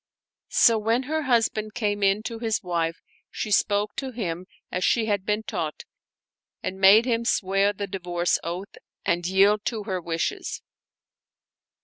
So when her husband came in to his wife, she spoke to him as she had been taught and made him swear the divorce oath and yield to her wishes.